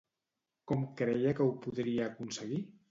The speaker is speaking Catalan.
Com creia que ho podria aconseguir?